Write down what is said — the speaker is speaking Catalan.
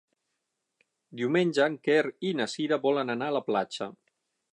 Diumenge en Quer i na Cira volen anar a la platja.